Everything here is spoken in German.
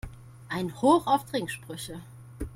Ein Hoch auf Trinksprüche!